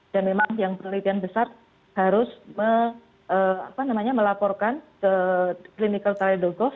dan memang yang penelitian besar harus melaporkan ke clinicaltrial gov